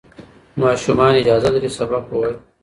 ماشومان اجازه لري سبق ووایي.